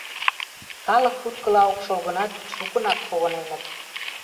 Калык куткыла ок шол гынат, шукынак погыненыт.